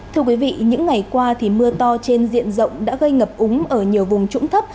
thưa quý vị những ngày qua thì mưa to trên diện rộng đã gây ngập úng ở nhiều vùng trũng thấp